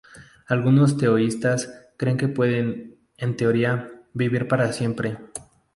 Algunos taoístas creen que pueden, en teoría, vivir para siempre.